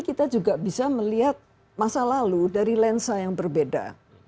kita juga bisa melihat masa lalu dari lensa yang berbeda